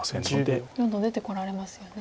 どんどん出てこられますよね。